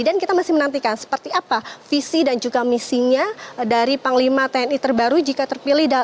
dan kita masih menantikan seperti apa visi dan juga misinya dari panglima tni terbaru jika terpilih